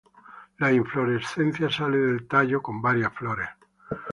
La inflorescencia sale del tallo con varias flores.